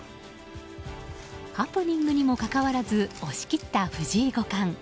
ハプニングにもかかわらず押し切った藤井五冠。